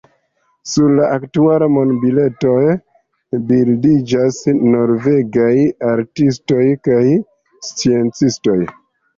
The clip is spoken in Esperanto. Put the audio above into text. Sur la aktualaj monbiletoj bildiĝas norvegaj artistoj kaj sciencistoj.